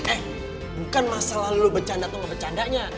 eh bukan masalah lo becanda atau gak becandanya